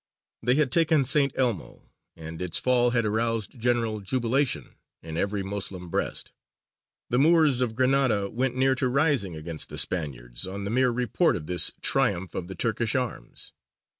They had taken St. Elmo, and its fall had aroused general jubilation in every Moslem breast; the Moors of Granada went near to rising against the Spaniards on the mere report of this triumph of the Turkish arms.